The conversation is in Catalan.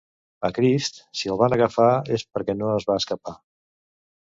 A Crist, si el van agafar, és perquè no es va escapar.